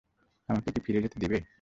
আমাকে কি ফিরে যেতে দিবে?